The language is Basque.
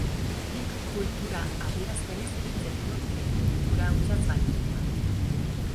Nik kultur adierazpenez hitz egingo nuke, kultura hutsaz baino gehiago.